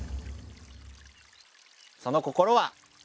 その心は？